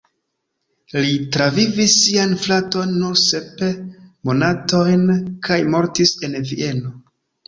Li travivis sian fraton nur sep monatojn kaj mortis en Vieno.